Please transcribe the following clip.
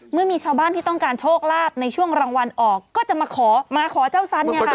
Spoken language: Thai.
เมื่อมีชาวบ้านที่ต้องการโชคลาภในช่วงรางวัลออกก็จะมาขอมาขอเจ้าสันเนี่ยค่ะ